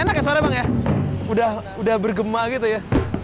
enak ya suara bang ya udah bergema gitu ya